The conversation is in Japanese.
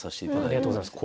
ありがとうございます。